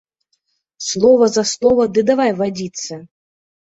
Слова за слова, ды давай вадзіцца!